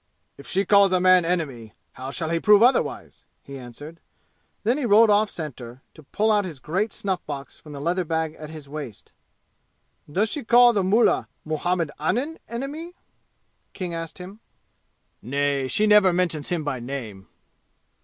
"If she calls a man enemy, how shall he prove otherwise?" he answered. Then he rolled off center, to pull out his great snuff box from the leather bag at his waist. "Does she call the mullah Muhammad Anim enemy?" King asked him. "Nay, she never mentions him by name."